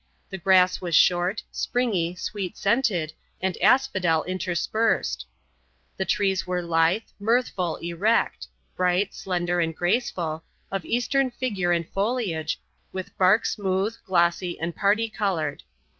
The grass was short, springy, sweet scented, and asphodel interspersed. The trees were lithe, mirthful, erect—bright, slender, and graceful,—of Eastern figure and foliage, with bark smooth, glossy, and parti colored.